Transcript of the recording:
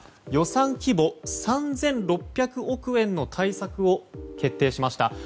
予算規模３６００億円の対策を決定しました。